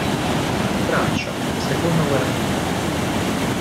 Francia, Seconda guerra mondiale.